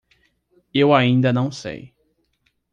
Eu ainda não sei